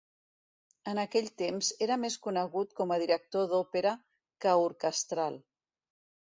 En aquell temps era més conegut com a director d'òpera que orquestral.